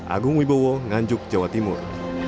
agung wibowo nganjuk jawa timur